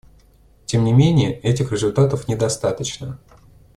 Тем не менее этих результатов недостаточно.